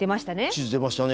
地図出ましたね。